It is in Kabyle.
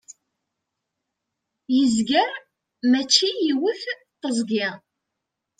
yezger mačči yiwet teẓgi